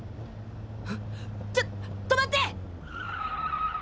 ちょっ止まって！！